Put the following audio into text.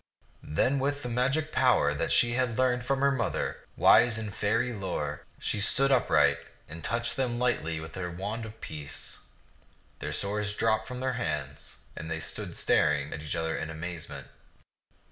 Then with the magic power that she had learned from her mother, wise in Faerie lore, she stood upright and touched them lightly with her wand of peace. Their swords dropped from their hands, and they stood staring at each other in amazement.